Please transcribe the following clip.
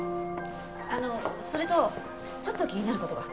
あのそれとちょっと気になる事が。